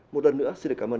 một lần nữa xin được cảm ơn